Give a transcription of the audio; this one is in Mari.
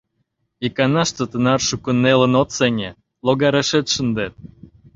— Иканаште тынар шуко нелын от сеҥе: логарешет шындет.